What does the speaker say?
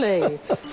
ハハハ。